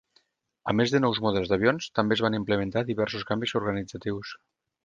A més de nous models d'avions, també es van implementar diversos canvis organitzatius.